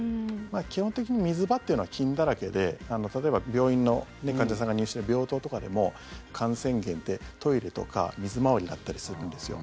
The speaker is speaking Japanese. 基本的に水場というのは菌だらけで例えば病院の患者さんが入院してる病棟とかでも感染源ってトイレとか水回りだったりするんですよ。